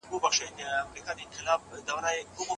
د لویې جرګي په اړه چا کتاب لیکلی دی؟